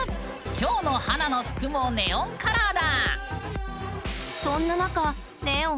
今日の華の服もネオンカラーだ！